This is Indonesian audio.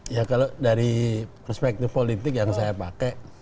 ya kalau dari perspektif politik yang saya pakai